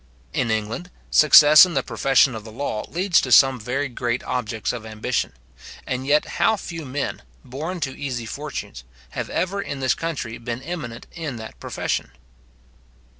In England, success in the profession of the law leads to some very great objects of ambition; and yet how few men, born to easy fortunes, have ever in this country been eminent in that profession?